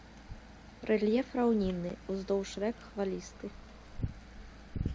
Рэльеф раўнінны, уздоўж рэк хвалісты.